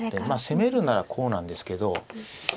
まあ攻めるんならこうなんですけど。